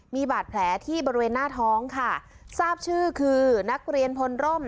มีบาดแผลที่บริเวณหน้าท้องค่ะทราบชื่อคือนักเรียนพลร่ม